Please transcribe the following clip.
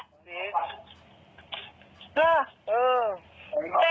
ทีรา๒๖